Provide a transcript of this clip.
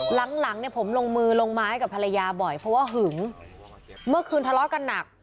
หลังหลังเนี่ยผมลงมือลงไม้กับภรรยาบ่อยเพราะว่าหึงเมื่อคืนทะเลาะกันหนัก